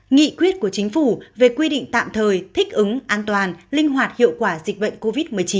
nghị quyết của chính phủ về quy định tạm thời thích ứng an toàn linh hoạt hiệu quả dịch bệnh covid một mươi chín